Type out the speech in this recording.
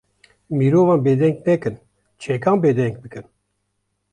Mirovan bêdeng nekin, çekan bêdeng bikin